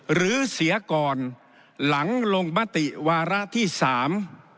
หรือเสียก่อนหลังลงมติวาระที่สาม